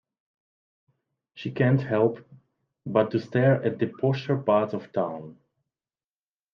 She can't help but to stare at the posher parts of town.